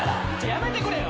やめてくれよ！